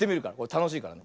たのしいからね。